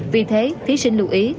vì thế thí sinh lưu ý